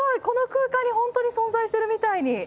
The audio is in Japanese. この空間に本当に存在してるみたいに。